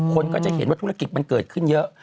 คนก็จะเห็นว่าธุรกิจมันเกิดขึ้นเยอะ